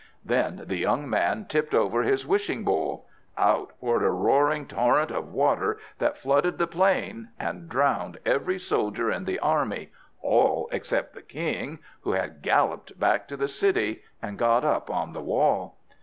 Then the young man tipped over his wishing bowl. Out poured a roaring torrent of water that flooded the plain, and drowned every soldier in the army, all except the king, who had galloped back to the city, and got up on the wall.